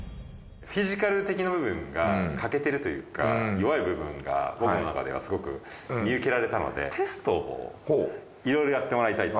フィジカル的な部分が欠けてるというか弱い部分が僕のなかではすごく見受けられたのでテストをいろいろやってもらいたいと。